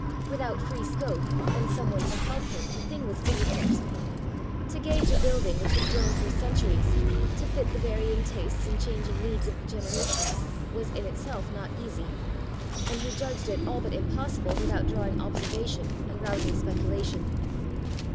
Without free scope and some one to help him, the thing was difficult. To gauge a building which had grown through centuries, to fit the varying tastes and changing needs of the generations, was in itself not easy, and he judged it all but impossible without drawing observation and rousing speculation.